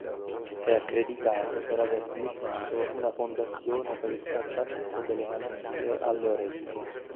È accreditato per aver sviluppato una fondazione per il trattamento delle malattie alle orecchie.